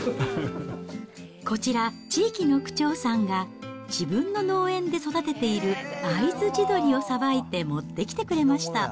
こちら、地域の区長さんが自分の農園で育てている会津地鶏をさばいて持ってきてくれました。